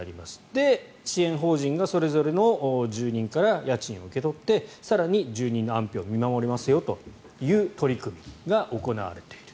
支援法人がそれぞれの住人から家賃を受け取って更に住人の安否を見守りますよという取り組みが行われている。